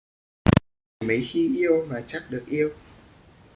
Vì mấy khi yêu mà chắc được yêu